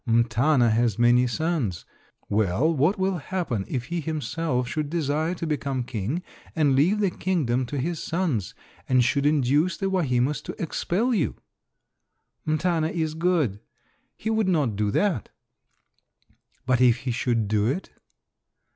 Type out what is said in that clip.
"M'Tana has many sons Well, what will happen if he himself should desire to become king and leave the kingdom to his sons, and should induce the Wahimas to expel you?" "M'tana is good. He would not do that." "But if he should do it?"